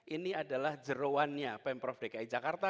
ini adalah jeruannya pemprov dki jakarta